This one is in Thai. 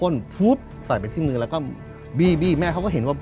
ทุบใส่ไปที่มือแล้วก็บีบี้แม่เขาก็เห็นว่า